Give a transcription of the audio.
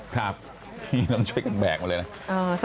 ครับพี่ต้องช่วยกันแบกมาเลยนะ